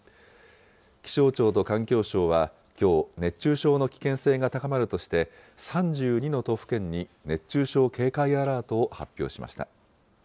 気象庁と環境省は、きょう、熱中症の危険性が高まるとして、３２の都府県に熱中症警戒アラートを発表しました。